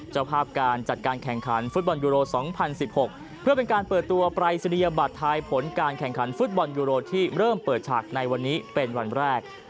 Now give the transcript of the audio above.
เจ้าภาพการจัดการแข่งขันฟุตบอลยูโร๒๐๑๖เพื่อเป็นการเปิดตัวปรายศนียบัตรทายผลการแข่งขันฟุตบอลยูโรที่เริ่มเปิดฉากในวันนี้เป็นวันแรก